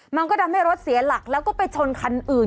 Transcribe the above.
มันก็ทำให้รถเสียหลักแล้วก็ไปชนคันอื่น